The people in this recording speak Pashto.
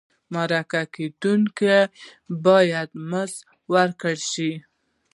مرکه کېدونکی باید مزد ورکړل شي.